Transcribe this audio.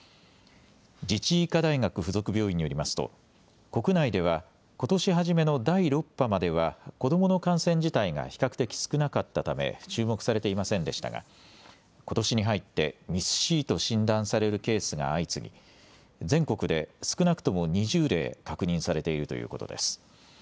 自治医科大学附属病院によりますと国内ではことし初めの第６波までは子どもの感染自体が比較的少なかったため注目されていませんでしたがことしに入ってＭＩＳ−Ｃと診断されるケースが相次ぎ全国で少なくとも２０例確認されているということです。